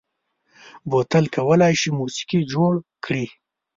بوتل کولای شي موسيقي جوړ کړي.